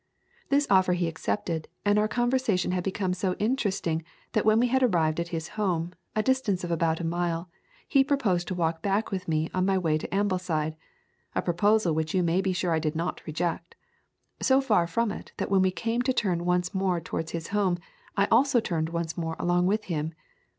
This offer he accepted, and our conversation had become so interesting that when we had arrived at his home, a distance of about a mile, he proposed to walk back with me on my way to Ambleside, a proposal which you may be sure I did not reject; so far from it that when he came to turn once more towards his home I also turned once more along with him.